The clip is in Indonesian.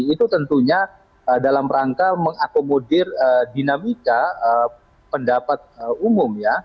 itu tentunya dalam rangka mengakomodir dinamika pendapat umum ya